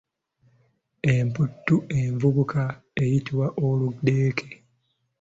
Empuuta envubuka eyitibwa Oludeeke.